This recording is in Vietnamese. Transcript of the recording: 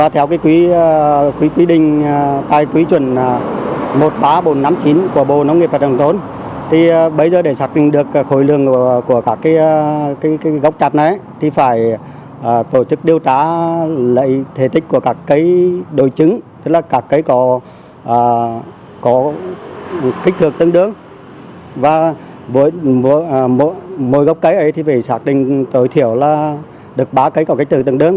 tức là các cây có kích thước tương đương và với mỗi gốc cây ấy thì phải xác định tối thiểu là được ba cây có kích thước tương đương